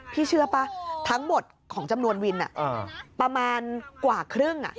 เชื่อป่ะทั้งหมดของจำนวนวินประมาณกว่าครึ่ง